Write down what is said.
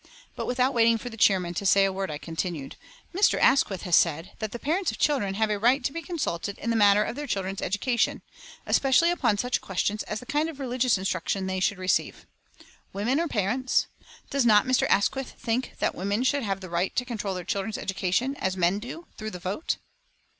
But without waiting for the chairman to say a word, I continued: "Mr. Asquith has said that the parents of children have a right to be consulted in the matter of their children's education, especially upon such questions as the kind of religious instruction they should receive. Women are parents. Does not Mr. Asquith think that women should have the right to control their children's education, as men do, through the vote?"